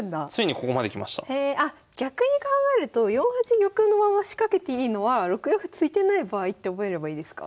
あっ逆に考えると４八玉のまま仕掛けていいのは６四歩突いてない場合って覚えればいいですか？